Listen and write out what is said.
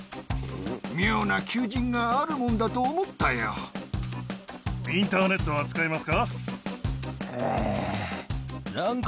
妙な求人があるもんだと思っインターネットは使えますか？